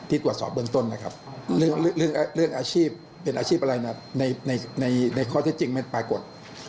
ที่ตรวจสอบเบื้องต้นนะครับ